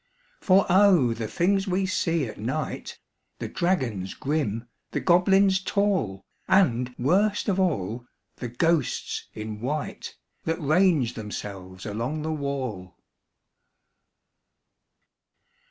For O! the things we see at night The dragons grim, the goblins tall, And, worst of all, the ghosts in white That range themselves along the wall!